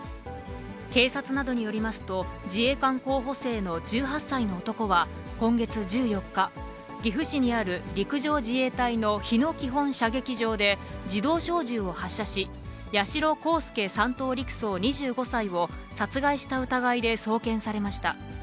警察などによりますと、自衛官候補生の１８歳の男は今月１４日、岐阜市にある陸上自衛隊の日野基本射撃場で、自動小銃を発射し、八代航佑３等陸曹２５歳を殺害した疑いで送検されました。